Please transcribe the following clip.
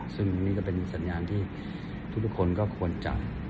ซึ่งนี่ก็เป็นสัญญาณที่ทุกคนก็ควรจะ